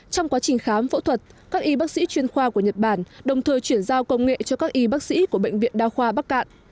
trong quá trình khám phẫu thuật các y bác sĩ chuyên khoa của nhật bản đồng thời chuyển giao công nghệ cho các y bác sĩ của bệnh viện đa khoa bắc cạn